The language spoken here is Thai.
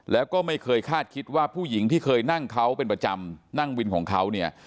แล้วก็ไม่เคยคาดคิดว่าผู้หญิงที่เคยนั่งเขาเป็นประจำนั่งวินของเขาเนี่ย